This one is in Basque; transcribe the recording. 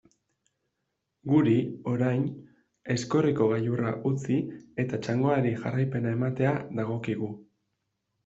Guri, orain, Aizkorriko gailurra utzi eta txangoari jarraipena ematea dagokigu.